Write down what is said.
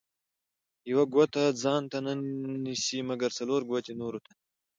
ـ يوه ګوته ځانته نه نيسي، مګر څلور ګوتې نورو ته.